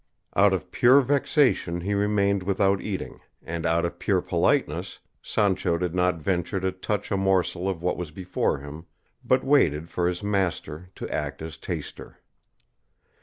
Out of pure vexation he remained without eating, and out of pure politeness Sancho did not venture to touch a morsel of what was before him, but waited for his master to act as taster.